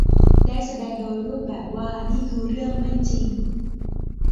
ได้แสดงโดยรูปแบบว่านี่คือเรื่องไม่จริง